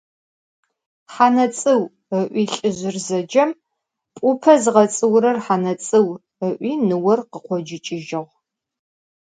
Хьанэцlыу ыlуи лlыжъыр зэджэм, пlупэ зыгъэцlыурэр Хьанэцlыу ыlуи ныор къыкъоджыкlыжьыгъ